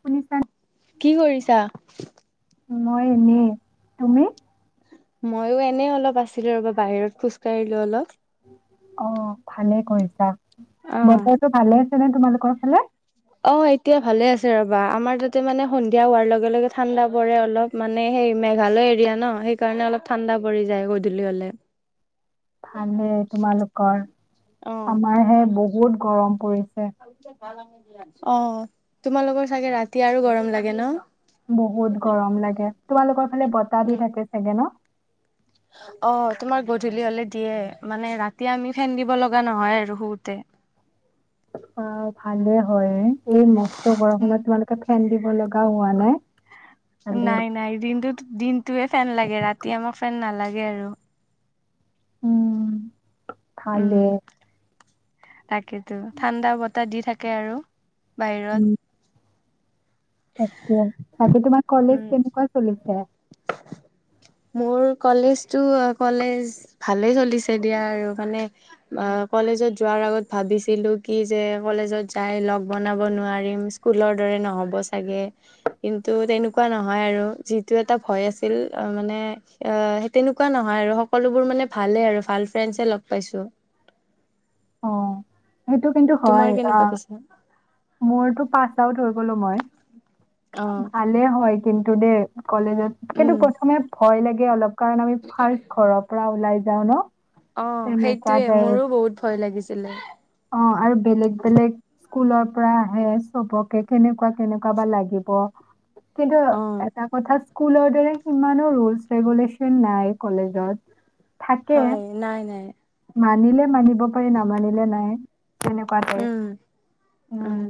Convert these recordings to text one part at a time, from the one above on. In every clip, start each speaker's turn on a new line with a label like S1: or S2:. S1: শুনিছা?
S2: কি কৰিছা?
S1: মই এনেই তুমি।
S2: ময়ো এনে, অলপ আছিলো ৰ'বা বাহিৰত খোজকাঢ়িলো অলপ।
S1: অ ভালেই কৰিছা।
S2: অ',
S1: বতৰটো ভালে। চেনে তোমালোকৰ ফালে।
S2: অ এতিয়া ভালে আছে ৰবা আমাৰ তাতে মানে সন্ধিয়া হোৱাৰ লগে লগে ঠাণ্ডা পৰে অলপ মানে সেই মেঘালয় এৰিয়া ন সেইকাৰণে অলপ ঠাণ্ডা পৰি যায় গধূলি হলে।
S1: ভালেই তোমালোকৰ
S2: অ',
S1: আমাৰ হে বহুত গৰম পৰিছে।
S2: [unintelligible] অ তোমালোকৰ চাগে ৰাতি আৰু গৰম লাগে ন।
S1: বহুত গৰম লাগে তোমালোকৰ ফালে বতাহ দি
S2: উম
S1: থাকে চাগে ন?
S2: অ তোমাৰ গধূলি হলে দিয়ে মানে ৰাতি আমি ফেন দিব লগা নহয় আৰু শু তে।
S1: অ ভালে হয়। এই মস্ত
S2: উম।
S1: গৰমত তোমালোকে ফেন দি। লগা হোৱা নাই। ভালে
S2: নাই নাই দিনটো দিনটোয়ে ফেন লাগে ৰাতি। এতিয়া মোৰ ফেন নালাগে আৰু
S1: উম। ভালে
S2: তাকেইেতো ঠাণ্ডা বতাহ দি থাকে আৰু বাহিৰত।
S1: উম তাকে তাকে তোমাৰ কলেজ
S2: উম,
S1: তেনেকুৱা চলিছে?
S2: মোৰ কলেজটো কলেজ ভালেই চলিছে দিয়া আৰু মানে কলেজত যোৱাৰ আগত ভাবিছিলো কি যে কলেজত যাই লগ বনাব নোৱাৰিম, স্কুলৰ দৰে নহ'ব চাগে কিন্তু তেনেকুৱা নহয় আৰু যিটোৱে এটা ভয় আছিল মানে, সেই তেনেকুৱা নহয় আৰু সকলোবোৰ মানে ভাল আৰু ভাল ফ্ৰেণ্ড লগ পাইছো।
S1: অ সেইটো কিন্তু হয় অ
S2: কেনেকুৱা পিছে?
S1: মোৰতো পাচ তাও হৈ গলো মই
S2: অ',
S1: ভালে হয় কিন্ত দেই কলেজত কিন্তু
S2: উম।
S1: প্ৰথমে ভয় লাগে এ অলপ কাৰণ আমি ফাৰ্ষ্ট ঘৰৰ পৰা ওলাই যাওঁ ন
S2: অ
S1: তেনেকুৱা
S2: সেইটোয়ে
S1: টাইপ
S2: মোৰো বহুত ভয় লাগিছে সিলে
S1: অ আৰু বেলেগ বেলেগ স্কুলৰ পৰা আহে চবকে কেনেকুৱা কেনেকুৱা বা লাগিব। কিন্তু
S2: অ'।
S1: এটা কথা স্কুলৰ দৰে সিমানো ৰুলচ ৰেগুলেশচন নাই কলেজত। থাকে
S2: হয় নাই নাই
S1: মানিলে মানিব পাৰি নামানিলে নাই। তেনেকুৱা টাইপ
S2: উম উম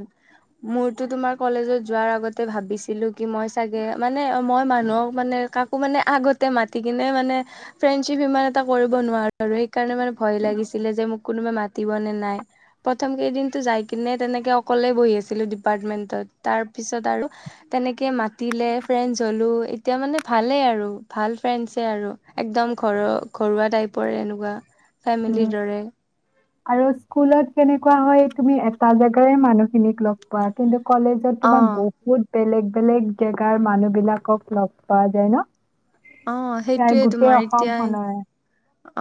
S2: মোৰতো তোমাৰ কলেজত যোৱাৰ আগতে ভাবিছিলো কি মই চাগে মানে মই মানুহক মানে কাকো মানে আগতে মাতি কিনে মানে ফ্ৰেণ্ডশ্বিপ ইমান এটা কৰিব নোৱাৰো আৰু সেইকাৰণে মানে ভয় লাগিছিলে যে মোক কোনোবাই মাতিব নে নাই? প্ৰথম কেইদিনো যাই কিনে তেনেকে অকলে বহি আছিলো, ডিপাৰ্টমেন্টত তাৰ পিছত আৰু তেনেকে মাতিলে ফ্ৰেণ্ডছ হলো এতিয়া মানে ভালে আৰু ভাল ফ্ৰেণ্ডছে আৰু একদম ঘ ঘৰুৱা টাইপৰ এনেকুৱা
S1: উম
S2: ফেমিলিৰ দৰে।
S1: আৰু স্কুলত কেনেকুৱা হয় তুমি এটা জেগাৰে মানুহখিনিক লগ পোৱা কিস্ত কলেজত তোমাৰ
S2: অ
S1: বহুত বেলেগ বেলেগ জেগাৰ মানুহ বিলাকক লগ পোৱা যায় ন।
S2: অ
S1: প্ৰায়
S2: সেইটোৱে
S1: গোটেই
S2: তোমাৰ এতিয়াই
S1: অসমখনৰে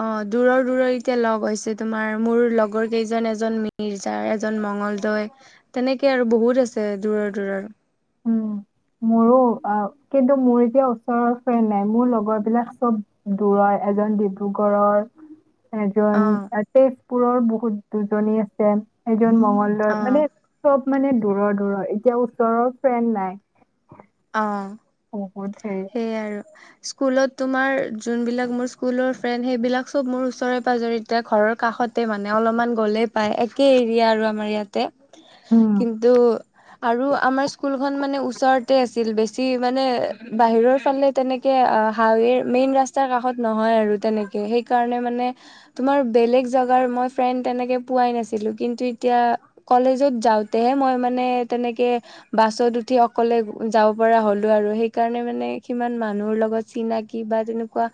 S2: অ দূৰৰ দূৰৰ এতিয়া লগ হৈছে তোমাৰ মোৰ লগৰ কেইজন এজন মিৰ্জাৰ, এজন মঙলদৈ, তেনেকে আৰু বহুত আছে দূৰৰ দূৰৰ।
S1: উম মোৰো অ কিন্ত মোৰ এতিয়া ওচৰৰ ফ্ৰেণ্ড নাই মোৰ লগৰ বিলাক চব দূৰৰ এজন ডিব্ৰুগড়ৰ, এজন অ তেজপুৰৰ [unintelligible] [unintelligible] দুজনি আ [unintelligible] [unintelligible] এজন মংগলদৈ
S2: অ
S1: মানে চব মানে দূৰৰ, দূৰৰ এতিয়া ওচৰৰ ফ্ৰেণ্ড নাই।
S2: অ,
S1: বহুত হেৰি
S2: সেইয়া আৰু, স্কুলত তোমাৰ যোনবিলাক মোৰ স্কুলৰ ফ্ৰেণ্ড সেইবিলাক চব মোৰ ওচৰে পাজৰে এতিয়া ঘৰৰ কাষতে মানে অলপমান গ'লে পায়, একে এৰিয়া আৰু আমাৰ ইয়াতে
S1: উম
S2: কিন্তু, আৰু আমাৰ স্কুল খন মানে ওচৰত [unintelligible] বেছি মানে বাহিৰৰ ফালে তেনেকে হাৰেই মেইন ৰাস্তাৰ কাষত নহয় আৰু তেনেকে সেইকাৰণে মানে তোমাৰ বেলেগ জেগাৰ মই ফ্ৰেণ্ড তেনেকে পোৱাই নাছিলো, কিন্তু এতিয়া কলেজত যাওঁতেহে মই মানে তেনেকে বাছত উঠি অকলে যাব পৰা হ'লো, আৰু সেইকাৰণে মানে সিমান মানুহৰ লগত চিনাকি বা তেনেকুৱা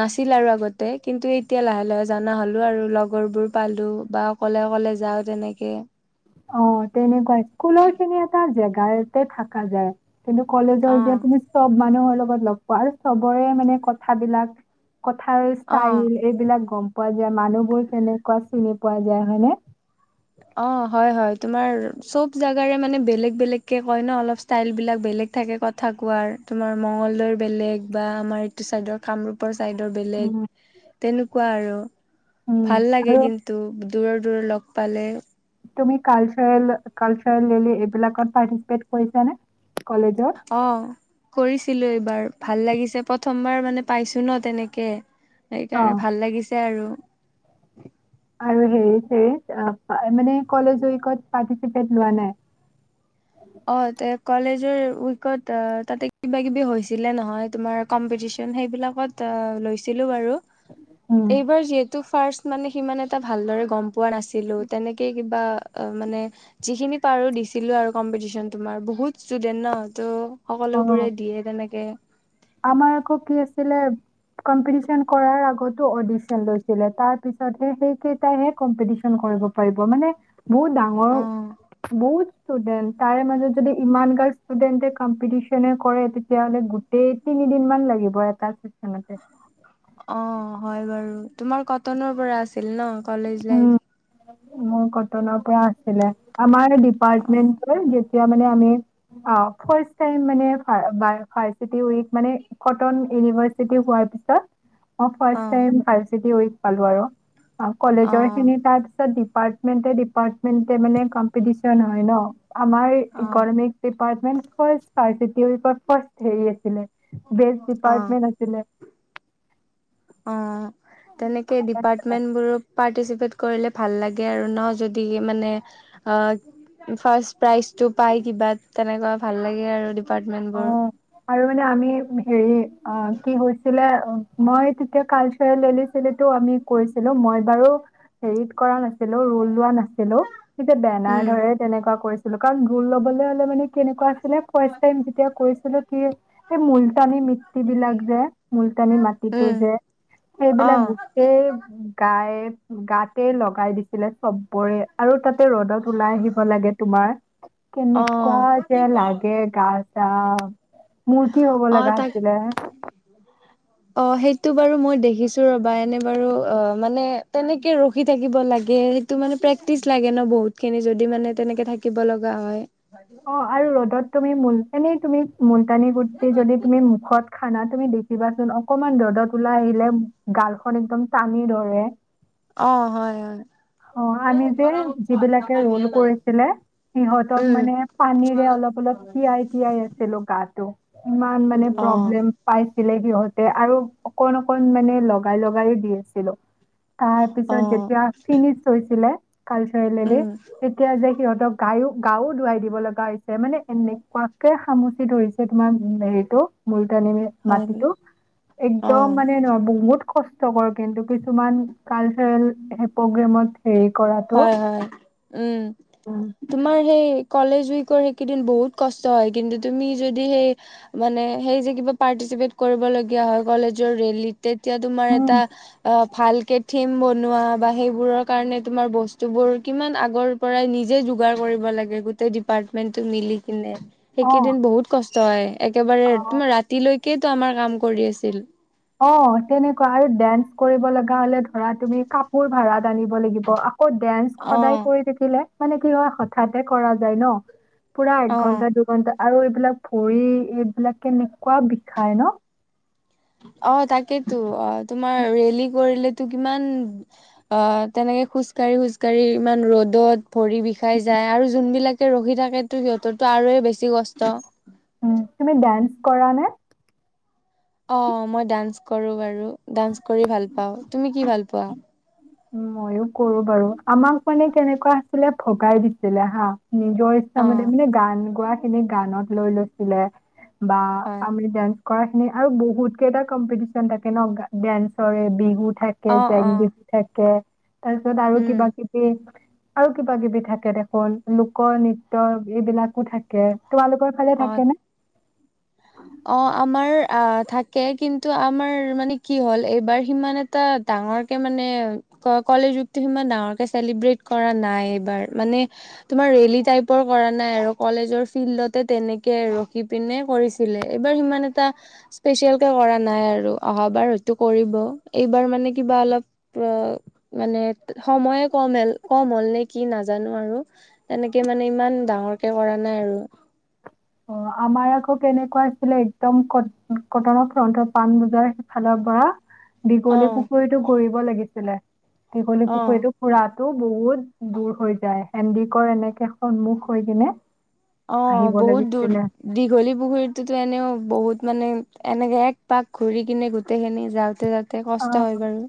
S2: নাছিল, আৰু আগতে কিন্তু এতিয়া লাহে, লাহে জানা হলো ।আৰু লগৰবোৰ পালো বা অকলে অকলে যাওঁ তেনেকে
S1: অ তেনেকুৱা, স্কুলৰ খিনি এটা জেগা গায়তে থাকা যায়। কিন্তু, কলেজৰ
S2: অ
S1: এতিয়া তুমি চব মানুহৰ লগত লগ পোৱা হ'ল, আৰু চবৰে মানে কথাবিলাক কথাৰ
S2: অ',
S1: ষ্টাইল এইবিলাক গম পোৱা যায়, মানুহবোৰ কেনেকুৱা চিনি পোৱা যায়, হয়নে
S2: অ', হয় হয় তোমাৰ চব জেগাৰে মানে বেলেগ, বেলেগ কে কয় ন, অলপ ষ্টাইল বিলাক বেলেগ থাকে, কথা কোৱাৰ তোমাৰ মংগলদৈৰ বেলেগ বা আমাৰ এইটো চাইডৰ কামৰূপৰ ছাইডৰ বেলেগ
S1: উম,
S2: তেনেকুৱা আৰু
S1: উম,
S2: ভাল লাগে,
S1: আৰু
S2: কিন্তু দূৰৰ দূৰৰ লগ পালে।
S1: তুমি কালচাৰেল, কালচাৰেলী এইবিলাকত পাৰ্টিচিপেট কৰিচানে?
S2: অ, কৰিছি ছিলো এইবাৰ ভাল লাগিছে, প্ৰথমবাৰ মানে পাইছো ন তেনেকে
S1: অ',
S2: সেইকাৰণে, ভাল লাগিছে আৰু
S1: আৰু হেৰী চেৰী [unintelligible] মানে কলেজৰ উইকত পাৰ্টিচিপেত লোৱা নাই?
S2: অ, ত কলেজৰ উইকত তাতে কিবা, কিবি হৈছিলে নহয়, তোমাৰ কম্পিটিচন সেইবিলাকত লৈছিলো বাৰু।
S1: উম,
S2: এইবাৰ যিহেতু ফাৰ্ষ্ট মানে সিমান এটা ভালদৰে গম পোৱা পোৱা নাছিলো তেনেকে কিন্তু [unintelligible] বা অ মানে যিখিনি পাৰো দিছিলো আৰু কম্পিটিচন তোমাৰ, বহুত ষ্টুডেন্ট ন ত'
S1: অ'।
S2: সকলোবোৰে দিয়ে তেনেকে
S1: আমাৰ আক কি হৈছিলে, কম্পিউটিচন কৰাৰ আগতে অওডিচন লৈছিলে, তাৰ পিছতে সেইকেইটা হে কম্পিউটিচন কৰিব পাৰিব মানে বহুত, ডাঙৰ
S2: অ
S1: বহুত ষ্টুডেণ্ট, তাৰে মাজত যদি ইমানগাল ষ্টুডেণ্টে কম্পিটিচনে কৰে তেতিয়া হ'লে গোটেই তিনিদিন মান লাগিব এটা। চেচনতে
S2: অ হয় বাৰু। তোমাৰ কটনৰ পৰা আছিল ন। College
S1: um
S2: life.
S1: মোৰ কটনৰ পৰা আছিলে আমাৰ।
S2: অ
S1: ডিপাৰ্টমণ্ট দি যেৱা মানে আমি ফাষ্ট টাইম মানে ফাইচিতি মানে কথন ইনভাচিটি হোৱা পিছত? অ ফ টাইম ফাইচিতি উক। পালো আৰু কলেজৰ খিনি
S2: অ
S1: তাৰ পিছত দি। ডিপাৰটমেট ডিপাৰ্টমেণ্ট মানে কম্পিটিচন হয় ন। আমাৰ
S2: অ
S1: ইকনমিক চিপ। ডিপাৰটমেট ফাৰ্চিট ফাৰ্ষ হেৰি আছিলে? বেচ
S2: অ
S1: ডিপাৰ্টমেণ্ট আছিলে?
S2: অ তেনেকে
S1: আছিলে।
S2: ডিপাৰ্টমেন্ট বোৰ পাৰ্টিচিপেট? কৰিলে ভাল লাগে আৰু ন যদি মানে অ ফাৰ প্ৰাইজটো পাই কিবা তেনেকুৱা ভাল লাগে আৰু। ডিপাৰ্টমেণ্টবোৰ।
S1: অ' আৰু মানে আমি হেৰি অ কি হৈছিলে মই তেতিয়া কালচাৰো আমি কৈছিলো মই বাৰু। হেৰিত কৰা নাছিল? ছিলো ৰল লোৱা নাছিলো? তেতিয়া বেনাৰ
S2: উম,
S1: ধৰে তেনেকুৱা কৰিছে? লোকাল গুৰ ল'বলৈ হ'লে মানে কেনেকুৱা আছিলে ক। যেতিয়া কৈছিলো কি এই মুলতানী মিত্ত বিলাক যে। মুলতানি মাটিটো
S2: উম,
S1: যে সেইবিলাক
S2: অ',
S1: গোটেই গাই। গাতে লগাই দিছিলে চবৰে আৰু তাতে ৰ'দত ওলাই আহিব লাগে তোমাৰ। কেনেে
S2: অ'।
S1: কুৱোৱা যে লাগে? ছা মূৰ্তি হব
S2: অ',
S1: লগা
S2: তাক
S1: আছিলে?
S2: টো বাৰু মই দেখিছো ৰবা এনে বাৰু অ মানে তেনেকে ৰখি থাকিব লাগে সেইটো মানে প্ৰেক্টিচ লাগে ন বহুত খিনি যদি মানে তেনেকে থাকিব লগা হয়।
S1: অ আৰু ৰ'দত। তুমি ম এনেই তুমি । কুটানি গুটি যদি তুমি মুখত। জানা তুমি দেখিবাচোন অকনমান ৰ'দত ওলাই আহিলে গালখন একদম টানি ধৰে।
S2: অ হয় হয়
S1: অ আমি যে যিবিলাকে ৰোল কৰিছিলে, সিহঁতক
S2: উম,
S1: মানে পানীৰে অলপ অলপ তিয়াই তিয়াই আছিলো গাটো। ইমান মানে
S2: অ',
S1: প্ৰব্লেম পাইছে। ছিলে সহতে আৰু অকণ অকণ মানে লগাই লগাই দি আছিলো [unintelligible] তাৰ পিছত
S2: অ'।
S1: যেতিয়া। ফিনিছ হৈছিলে। কালচাৰেল
S2: উম,
S1: তেতিয়া যে সিহঁতক গায়ক। গা ও ধুৱাই দিব লাগে। গাইছে মানে এনেকুৱা। সামুচি ধৰিছে তোমাৰ উ হেৰিটো ম।
S2: হয়
S1: মাটিটো একদম
S2: অ',
S1: মানে ন বহুত। কষ্টকৰ কিন্তু কিছুমান কালচাৰেল। প্ৰেমত। হেৰি কৰাটো।
S2: হয় হয়। উম
S1: উম।
S2: তোমাৰ সেই। কলেজ উইকৰ সেইকেইদিন বহুত কষ্ট হয়, কিন্তু তুমি যদি সেই মানে সেই যে কিবা পাৰ্টিচিপেট কৰিবলগীয়া হয় কলেজৰ ৰেলীত। তেতিয়া তোমাৰ
S1: উম,
S2: এটা অ ভালকে। থিম বনোৱা বা সেইবোৰৰ কাৰণে। তোমাৰ বস্তুবোৰ কিমান আগৰ পৰাই নিজে যোগাৰ কৰিব লাগে গোটেই ডিপাৰ্টমেন্টটো মিলি কিনে।
S1: অ',
S2: এইকেইদিন বহুত কষ্টহ হয়। একেবাৰে
S1: অ'।
S2: তোমাৰ ৰাতিলৈ। সিয়েতো আমাৰ কাম কৰি আছিল [unintelligible]
S1: অ', তেনেকুৱা আৰু ডেন্স কৰিব লগা হলে ধৰা তুমি কাপোৰ ভাড়া। জানিব লাগিব আকৌ ডেন্স সদায়
S2: অ',
S1: কৰি থাকিলে। মানে কি হয় হঠাতে কৰা যায় ন। পুৰা এক
S2: অ'।
S1: ঘণ্টা দুই ঘণ্টা। আৰু এইবিলাক ভৰি এইবিলাক কেনেকুৱা বিষাই ন?
S2: অ, তাকেইতো অ। তোমাৰ ৰেলী কৰিলে। টো কিমান অ তেনেকে খোজকাঢ়ি খোজ কাঢ়ি ইমান ৰ'দত। ভৰি বিষাই যায় আৰু যোনবিলাক। ৰখি থাকেতো সিহঁতৰতো আৰুে বেছি কষ্ট।
S1: উ! তুমি ডানস কৰা নে?
S2: অ মই ডান্স কৰো বাৰু ডান্স কৰি ভাল পাওঁ তুমি কি ভাল পোৱা ।
S1: মইয়ো কৰো বাৰু আমাক মানে কেনেকুৱা আছিলে ভগাই দিছিলে হা। নিজৰ ইচ্ছা
S2: অ
S1: মানে গান গোৱা। এনে গানত লৈ লৈছিলে। বা
S2: হয়
S1: আমি যান। কৰা খিনি আৰু বহুত কেই এটা কম্পিটিচন থাকে ন ডান্সৰ বিহুত। থাকে
S2: অ অ
S1: জেংবিহু। থাকে। তাৰ পিছত আৰু
S2: উম
S1: কিবা কিবি। আৰু কিবা কিবি থাকে দেখোন লোক নৃত্য এইবিলাকো থাকে। তোমালোকৰ ফালে থাকে নে?
S2: অঁ আমাৰ অঁ থাকে কিন্তু আমাৰ মানে কি হ'ল এইবাৰ সিমান এটা ডাঙৰ কে মানে কলেজ ৰগটো সিমান ডাঙৰকে চেলিব্ৰেট কৰা নাই এইবাৰ মানে তোমাৰ ৰেলী টাইপৰ কৰা নাই আৰু কলেজৰ ফিল্ডতে তেনেকে ৰখি পিনে কৰিছে। এইবাৰ সিমান এটা স্পেচিয়েল কে কৰা নাই আৰু অহাবাৰ হয়তো কৰিব এইবাৰ মানে কিবা অলপ মানে সময়ে কম কম হ'ল নে কি নাজানো আৰু তেনেকে মানে ইমান ডাঙৰ কে কৰা নাই আৰু।
S1: অ আমাৰ আকৌ কেনেকুৱা আছিলে একদম ক কটনৰ ফ্ৰন্টৰ পাণ বজাৰ সেইফালৰ পৰা ।
S2: অ
S1: দীঘলী পুখুৰীটো ঘূৰিব লাগিছিল। ছিলে, দীঘলী
S2: অ
S1: পুখুৰীটো খুৰাত। টো বহুত দূৰ হৈ যায় সেন্দিকৰ এনেকে সন্মুখ হৈ কিনে।
S2: অঁ
S1: আহিব
S2: বহুত।
S1: লাগিছিলে।
S2: দীঘলী পুখুৰীতো এনেও বহুত। মানে এনেকে এক পাক ঘূৰি কিনে গোটেই খিনি যাওঁতে যাওঁতে। কষ্ট
S1: অ',
S2: হয় বাৰু।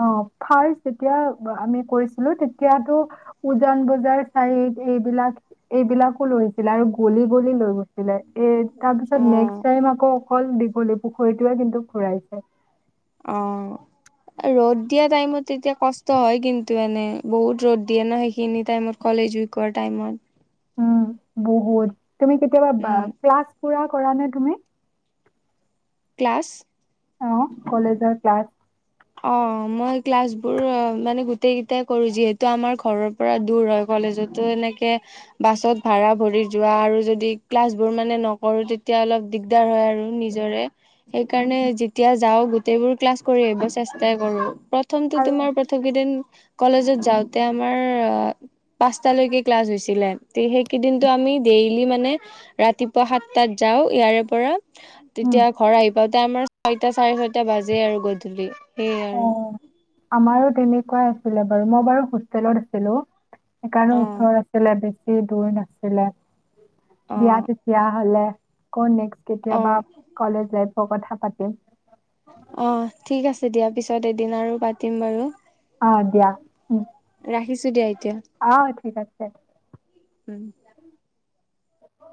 S1: অ', ফাৰ্ষ্ট যেতিয়া আমি কৰিছিলোঁ তেতিয়াতো। উজান বজাৰ চাইড। এইবিলাক এইবিলাকো লৈছিলে আৰু গলি গলি লৈ গৈছিলে। এ
S2: অ'।
S1: তাৰপিছত নেক্সট টাইম আকৌ। অকল দীঘলী পুখুৰীটোৱে কিন্তু ঘুৰাইছে।
S2: অ ৰ'দ দিয়া টাইমত তেতিয়া কষ্ট হয় কিন্তু এনে বহুত ৰ'দ দিয়ে ন সেইখিনি টাইমত কলেজ উইকৰ টাইমত।
S1: উম বহুত। তুমি কেতিয়াবা
S2: উম,
S1: ক্লাছ পুৰা। কৰা নে তুমি?
S2: ক্লাছ।
S1: অঁ কলেজৰ ক্লাছ।
S2: অ মই ক্লাছ বোৰ মানে গোটেই কেইটাই কৰো যিহেতু আমাৰ ঘৰৰ পৰা দূৰ হয় কলেজতো এনেকে বাছত ভড়া ভৰি যোৱা আৰু যদি ক্লাছ বোৰ মানে নকৰো তেতিয়া অলপ দিগদাৰ হয় আৰু নিজৰে সেইকাৰণে যেতিয়া যাও গোটেইবোৰ ক্লাছ কৰি আহিব। চেষ্টাই কৰো। প্ৰথমটো
S1: আৰু
S2: তোমাৰ পথ কেইদিন। কলেজত যাওঁতে আমাৰ পাঁচটালৈকে ক্লাছ হৈছিলে সেইকেইদিনটো আমি ডেইলি মানে ৰাতিপুৱা সাতটাত যাওঁ ইয়াৰে পৰা।
S1: উম,
S2: তেতিয়া ঘৰ আহি। তাতে আমাৰ চাৰিটা, চাৰে ছয়টা বাজে আৰু গধূলি। সেইয়ে
S1: অ
S2: আৰু
S1: আমাৰো তেনেকুৱাই । বাজিছিলে বাৰু মই বাৰু হোষ্টেলত আছিলো। সেইকাৰণে
S2: অ
S1: ওচৰ আছিলে বি বেছি দূৰ নাছিলে
S2: অ
S1: দিয়া তেতিয়া হ'লে ক নেক্স
S2: অ
S1: কেতিয়াবা কলেজ লাইফ কথা পাতিম
S2: অ ঠিক আছে দিয়া পিছত এদিন আৰু পাতিম বাৰু।
S1: আহ দিয়া উম
S2: ৰাখিছো দিয়া এতিয়া
S1: আহ ঠিক আছে।
S2: উম
S1: অ